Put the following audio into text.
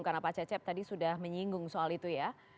karena pak cecep tadi sudah menyinggung soal itu ya